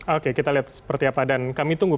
oke kita lihat seperti apa dan kami tunggu